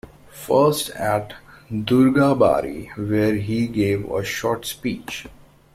First at Durgabari, where he gave a short speech.